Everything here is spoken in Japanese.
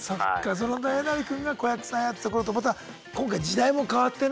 そんなえなり君が子役さんやってた頃とまた今回時代も変わってね